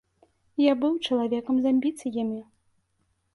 Я быў чалавекам з амбіцыямі.